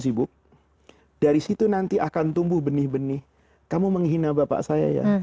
sibuk dari situ nanti akan tumbuh benih benih kamu menghina bapak saya ya